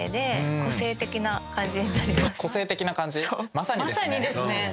まさにです。